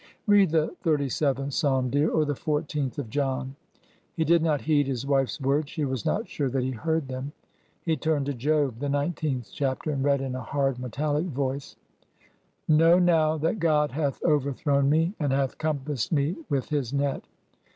'' Read the thirty seventh Psalm, dear, or the fourteenth of John." He did not heed his wife's words. She was not sure that he heard them. He turned to Job, the nineteenth chapter, and read in a hard, metallic voice : Know now that God hath overthrown me, and hath compassed me with His net.